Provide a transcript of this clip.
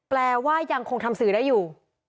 แปลว่ายังคงทำสื่อได้อยู่